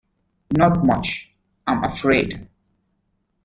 Not much, I'm afraid.